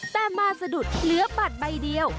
แต่มาสะดุดเหลือบัตรใบเดียว